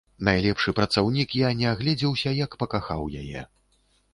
Найлепшы працаўнік, я не агледзеўся, як пакахаў яе.